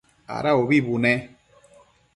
Ada ubi bune?